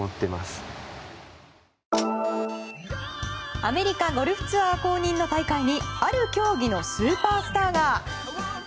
アメリカゴルフツアー公認の大会にある競技のスーパースターが。